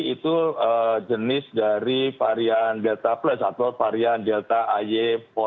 itu jenis dari varian delta plus atau varian delta ay empat